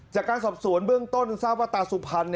จากการสอบสวนเบื้องต้นทราบว่าตาสุพรรณ